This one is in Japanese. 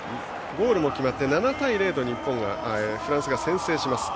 ゴールも決まって７対０とフランスが先制します。